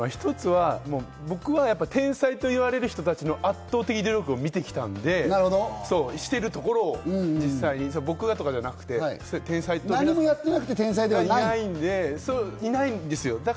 今、見てて思ったのは僕は天才といわれる人たちの圧倒的な努力を見てきたので、しているところを、実際に僕がではなくて。何をやってなくて天才ではないないんですよ。